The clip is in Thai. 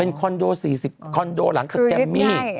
เป็นคอนโด๔๐คอนโดหลังกับแกมมี่